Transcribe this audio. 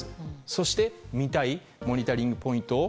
そして、見たいモニタリングポイントが